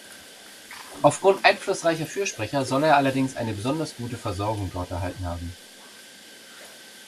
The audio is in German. Aufgrund einflussreicher Fürsprecher soll er allerdings eine besonders gute Versorgung dort erhalten haben.